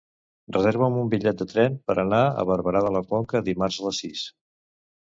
Reserva'm un bitllet de tren per anar a Barberà de la Conca dimarts a les sis.